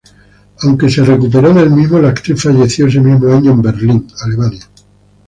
Aunque se recuperó del mismo, la actriz falleció ese mismo año en Berlín, Alemania.